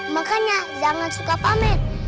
makanya jangan suka pamer